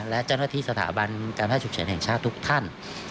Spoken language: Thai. และเจ้าหน้าที่สถาบันการแพทย์ฉุกเฉินแห่งชาติทุกท่าน